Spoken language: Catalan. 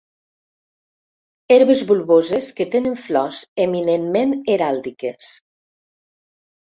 Herbes bulboses que tenen flors eminentment heràldiques.